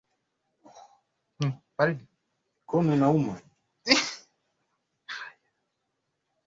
alipanda magari yaliyoendeshwa na tembo mbwa nguruwe simba na ngamia kote Roma